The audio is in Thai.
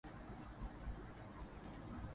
ไม่ได้เบี้ยเอาข้าว